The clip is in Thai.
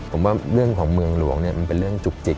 ผมว่าเรื่องของเมืองหลวงมันเป็นเรื่องจุกจิก